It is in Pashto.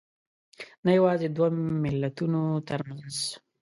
نه یوازې دوو ملتونو تر منځ